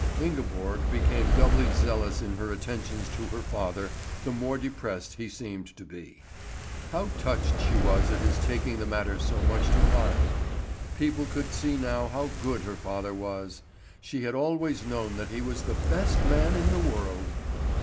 Ingeborg became doubly zealous in her attentions to her father the more depressed he seemed to be. How touched she was at his taking the matter so much to heart! People could see now how good her father was! She had always known that he was the best man in the world.